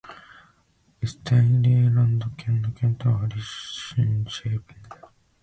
エステルイェータランド県の県都はリンシェーピングである